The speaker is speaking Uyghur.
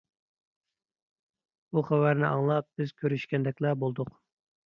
بۇ خەۋەرنى ئاڭلاپ، بىز كۆرۈشكەندەكلا بولدۇق.